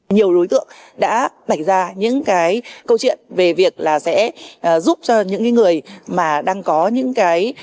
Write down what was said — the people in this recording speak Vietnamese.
nhiều đối tượng đã bạch ra những câu chuyện về việc sẽ giúp cho những người mà đang có những cái